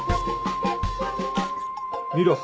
見ろ